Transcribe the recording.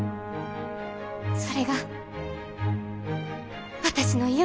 それが私の夢です。